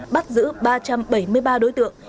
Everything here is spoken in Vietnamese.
bắt giữ ba trăm bảy mươi ba đối tượng